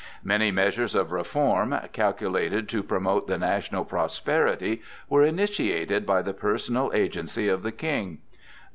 Many measures of reform, calculated to promote the national prosperity, were initiated by the personal agency of the King.